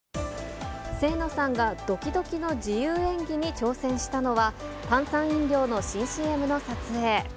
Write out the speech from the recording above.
清野さんがどきどきの自由演技に挑戦したのは、炭酸飲料の新ＣＭの撮影。